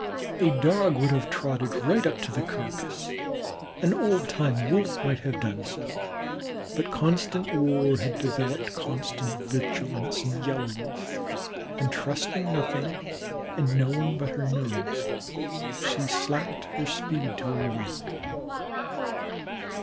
A Dog would have trotted right up to the carcass, an old time Wolf might have done so, but constant war had developed constant vigilance in the Yellow Wolf, and trusting nothing and no one but her nose, she slacked her speed to a walk.